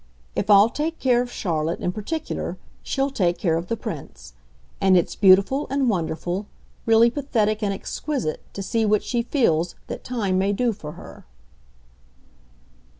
If I'll take care of Charlotte, in particular, she'll take care of the Prince; and it's beautiful and wonderful, really pathetic and exquisite, to see what she feels that time may do for her."